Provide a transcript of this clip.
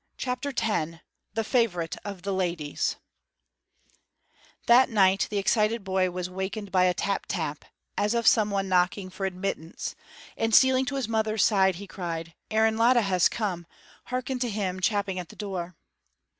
'" CHAPTER X THE FAVORITE OF THE LADIES That night the excited boy was wakened by a tap tap, as of someone knocking for admittance, and stealing to his mother's side, he cried, "Aaron Latta has come; hearken to him chapping at the door!"